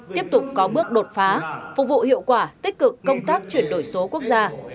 tiếp tục có bước đột phá phục vụ hiệu quả tích cực công tác chuyển đổi số quốc gia